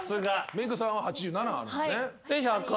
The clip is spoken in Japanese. メグさんは１８７あるんですね。